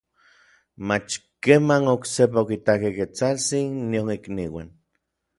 mach keman oksepa okitakej Ketsaltsin nion ikniuan.